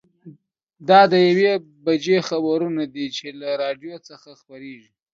دا د یوې بجې خبرونه دي چې له راډیو څخه خپرېږي.